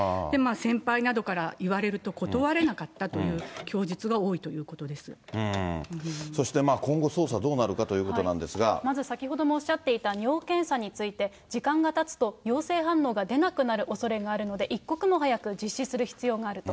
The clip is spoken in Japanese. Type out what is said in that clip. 先輩などから言われると断れなかったという供述が多いということそして今後、捜査どうなるかまず、先ほどもおっしゃっていた尿検査について、時間がたつと陽性反応が出なくなるおそれがあるので、一刻も早く実施する必要があると。